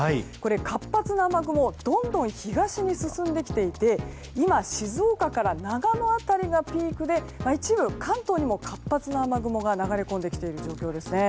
活発な雨雲どんどん東へ進んできていて今、静岡から長野辺りがピークで一部関東にも活発な雨雲がかかっている状況です。